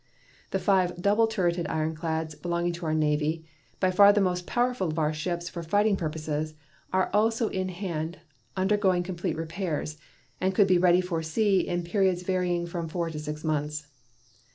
The five double turreted ironclads belonging to our Navy, by far the most powerful of our ships for fighting purposes, are also in hand undergoing complete repairs, and could be ready for sea in periods varying from four to six months.